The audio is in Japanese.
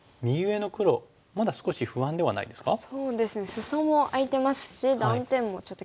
スソも空いてますし断点もちょっと気になりますね。